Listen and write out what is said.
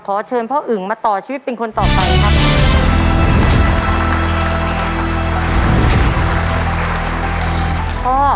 ขอเชิญพ่ออึ่งมาต่อชีวิตเป็นคนต่อไปครับ